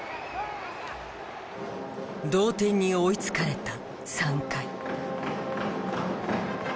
同点に追いつかれた３回。